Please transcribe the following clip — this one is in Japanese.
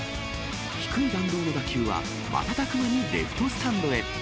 低い弾道の打球は、瞬く間にレフトスタンドへ。